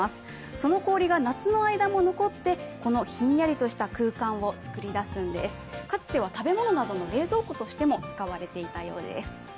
その氷が夏の間も残ってこのひんやりとした空間を作り出すんです、かつては食べ物などの冷蔵庫としても使われていたそうです。